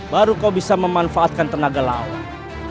baru kau bisa memanfaatkan tenaga laut